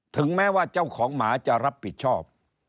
ถึงแม้ว่าเจ้าของหมาจะรับผิดชอบ